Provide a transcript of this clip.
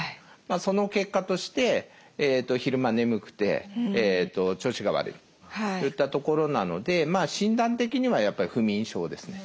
その結果として昼間眠くて調子が悪い。といったところなので診断的にはやっぱり不眠症ですね。